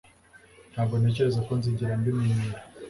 Ntabwo ntekereza ko nzigera mbimenyera